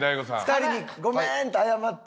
２人に「ごめん」って謝って。